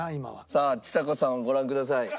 さあちさ子さんをご覧ください。